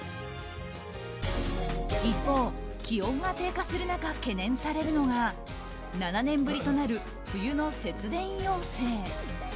一方、気温が低下する中懸念されるのが７年ぶりとなる冬の節電要請。